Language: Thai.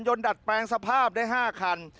ดัดแปลงสภาพได้๕คัน